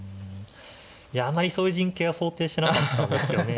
いやあんまりそういう陣形は想定してなかったんですよね。